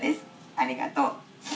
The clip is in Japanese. ありがとう。